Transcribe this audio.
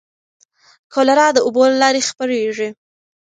کولرا د اوبو له لارې خپرېږي.